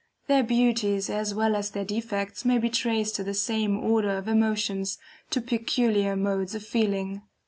Their beauties as well as their defects may be traced to the same order of emotions, to peculiar modes of feeling.